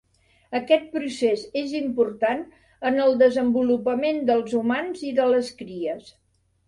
Aquest procés és important en el desenvolupament dels humans i de les cries.